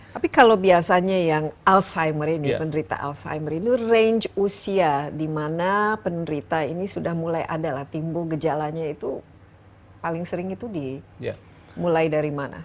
tapi kalau biasanya yang alzheimer ini penderita alzheimer ini range usia dimana penderita ini sudah mulai ada lah timbul gejalanya itu paling sering itu dimulai dari mana